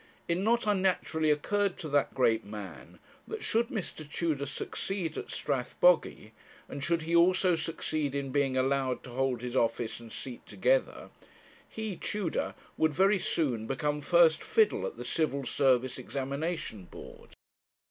It not unnaturally occurred to that great man that should Mr. Tudor succeed at Strathbogy, and should he also succeed in being allowed to hold his office and seat together, he, Tudor, would very soon become first fiddle at the Civil Service Examination Board.